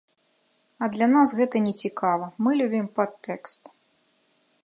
А для нас гэта не цікава, мы любім падтэкст.